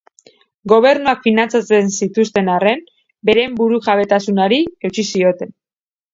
Gobernuak finantzatzen zituzten arren, beren burujabetasunari eutsi zioten.